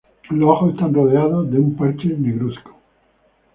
Los ojos están rodeados de un parche negruzco.